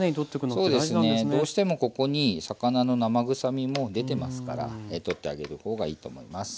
そうですねどうしてもここに魚の生臭みも出てますから取ってあげる方がいいと思います。